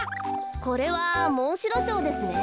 これはモンシロチョウですね。